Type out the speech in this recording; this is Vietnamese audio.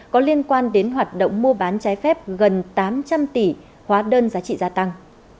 có liên quan đến hoạt động mua bán trái phép gần tám trăm linh tỷ hóa đơn giá trị gia tăng